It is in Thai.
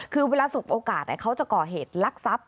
คือเวลาสุขโอกาสเขาจะก่อเหตุลักษณ์ทรัพย์